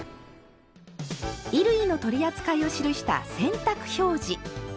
衣類の取り扱いを記した「洗濯表示」。